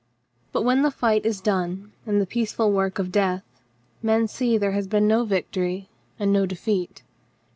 But when the fight is done and the peaceful work of death, men see there has been no victory and no defeat.